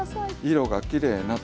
色がきれいなと。